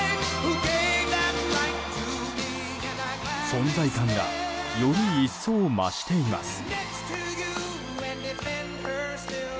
存在感がより一層増しています。